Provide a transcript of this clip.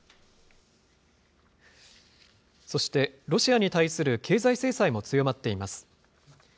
そして、ロシアに対する経済制裁も強まっています。